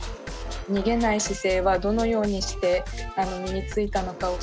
逃げない姿勢はどのようにして身についたのかを。